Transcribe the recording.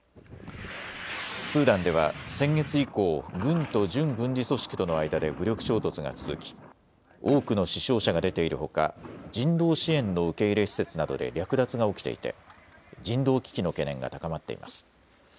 スーダンでは先月以降、軍と準軍事組織との間で武力衝突が続き多くの死傷者が出ているほか人道支援の受け入れ施設などで略奪が起きていて人道危機の懸念が高まっています。